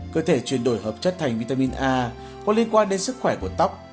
cơ thể chuyển đổi hợp chất thành vitamin a có liên quan đến sức khỏe của tóc